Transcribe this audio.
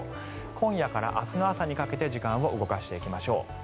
今夜から明日の朝にかけて時間を動かしていきましょう。